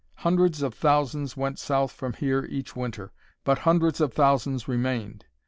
Hundreds of thousands went south from here each winter, but hundreds of thousands remained.